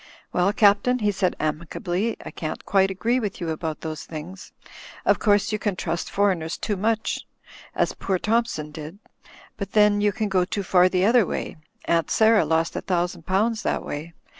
'Well, Captain," he said, amicably. "I can't quite agree with you about those things. Of course, you can trust foreigners too much as poor Thompson did ; but then you can go too far the other way. Aunt Sarah lost a thousand pounds that way.